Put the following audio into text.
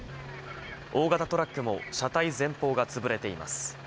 大型トラックも車体前方が潰れています。